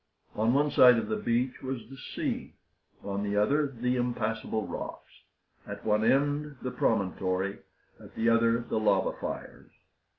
On one side of the beach was the sea, on the other the impassable rocks; at one end the promontory, at the other the lava fires.